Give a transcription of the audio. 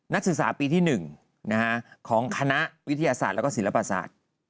นักศึกษาปีที่๑ของคณะวิทยาศาสตร์และศิลปศาสตร์